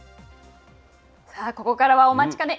さあ、ここからはお待ちかね。